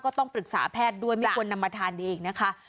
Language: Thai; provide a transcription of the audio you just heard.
ก็ต้องปรึกษาแพทย์ด้วยไม่ควรนำมาทานเองนะคะ